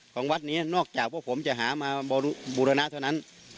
ของวัดนี้นอกจากพวกผมจะหามาบูรณะเท่านั้น